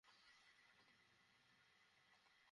লাভের খাতায় শূণ্য।